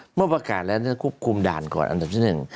เพราะประกาศแล้วควบคุมด่านก่อนอันดับที่หนึ่ง